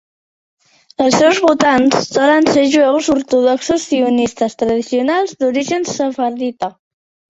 Els seus votants solen ser jueus ortodoxos sionistes tradicionals d'origen sefardita.